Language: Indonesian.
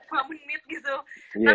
walaupun lima menit gitu